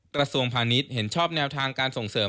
กระทรวงพาณิชย์เห็นชอบแนวทางการส่งเสริม